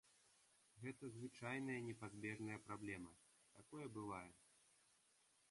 Гэта звычайная непазбежная праблема, такое бывае.